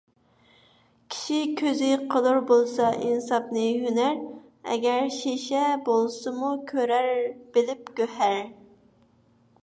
كىشى كۆزى قىلۇر بولسا ئىنساپنى ھۈنەر، ئەگەر شېشە بولسىمۇ كۆرەر بىلىپ گۆھەر.